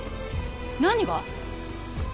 何が？